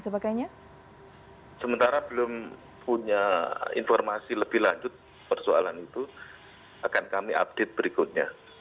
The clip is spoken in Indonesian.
sementara belum punya informasi lebih lanjut persoalan itu akan kami update berikutnya